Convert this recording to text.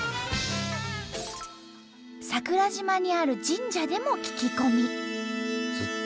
桜島にある神社でも聞き込み。